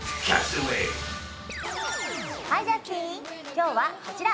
今日はこちら。